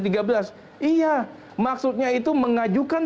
iya maksudnya itu mengajukan